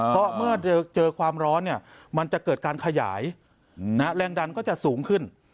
เพราะเมื่อเจอความร้อนเนี่ยมันจะเกิดการขยายแรงดันก็จะสูงขึ้น